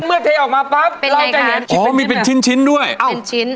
เมื่อเทออกมาปั๊บเราจะเห็นอ๋อมีเป็นชิ้นชิ้นด้วยเอาเป็นชิ้น